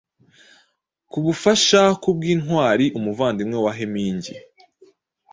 Kubufasha kubintwariumuvandimwe wa Hemingi